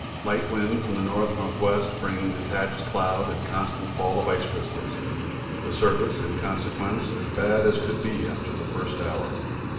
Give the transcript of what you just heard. Light wind from the N.N.W. bringing detached cloud and constant fall of ice crystals. The surface, in consequence, as bad as could be after the first hour.